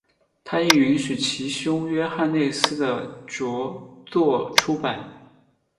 他亦允许其兄约翰内斯的着作出版。